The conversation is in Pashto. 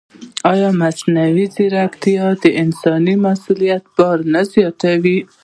ایا مصنوعي ځیرکتیا د انساني مسؤلیت بار نه زیاتوي؟